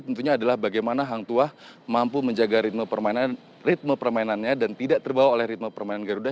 tentunya adalah bagaimana hang tua mampu menjaga ritme permainannya dan tidak terbawa oleh ritme permainan garuda